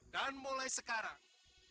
dan mulai sekarang